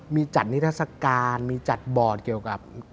มีจัดนิทัศกาลมีจัดบอร์ดเกี่ยวกับ